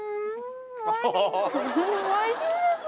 おいしいです。